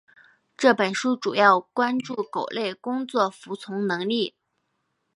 这本书主要关注狗类工作服从能力。